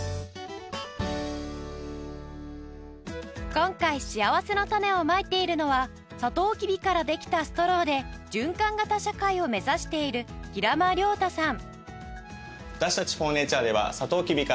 今回しあわせのたねをまいているのはサトウキビからできたストローで循環型社会を目指している平間亮太さん